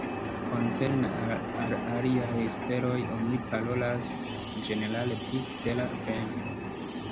Koncerne al aliaj steloj, oni parolas ĝenerale pri stela vento.